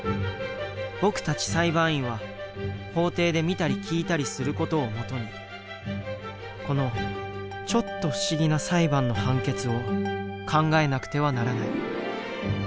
僕たち裁判員は法廷で見たり聞いたりする事を基にこのちょっと不思議な裁判の判決を考えなくてはならない。